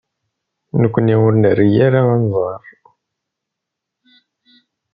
Nekkni ur nri ara anẓar.